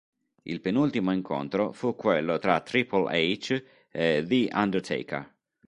Il penultimo incontro fu quello tra Triple H e The Undertaker.